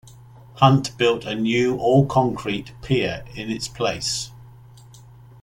Hunt built a new, all-concrete pier in its place.